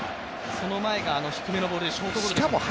その前が低めのボールでショートゴロでしたからね。